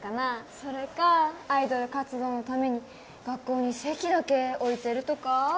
それかアイドル活動のために学校に籍だけ置いてるとか？